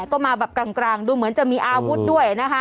ก็มาแบบกลางดูเหมือนจะมีอาวุธด้วยนะคะ